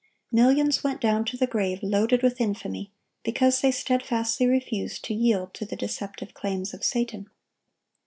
Millions went down to the grave loaded with infamy, because they steadfastly refused to yield to the deceptive claims of Satan.